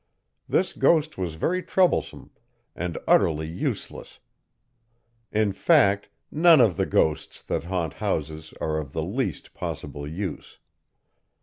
This ghost was very troublesome, and utterly useless. In fact, none of the ghosts that haunt houses are of the least possible use.